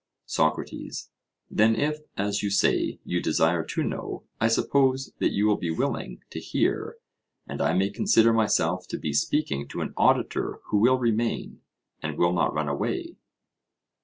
SOCRATES: Then if, as you say, you desire to know, I suppose that you will be willing to hear, and I may consider myself to be speaking to an auditor who will remain, and will not run away?